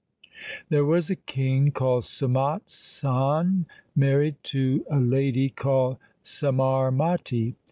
There was a king called Sumat Sain married to a lady called Samarmati.